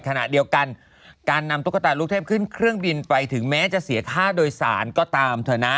ขณะเดียวกันการนำตุ๊กตาลูกเทพขึ้นเครื่องบินไปถึงแม้จะเสียค่าโดยสารก็ตามเถอะนะ